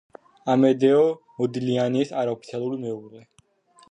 ამედეო მოდილიანის არაოფიციალური მეუღლე.